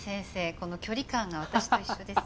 この距離感が私と一緒です